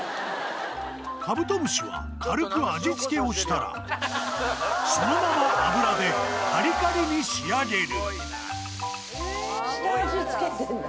カブトムシは軽く味付けをしたらそのまま油でカリカリに仕上げる下味付けてるんだ。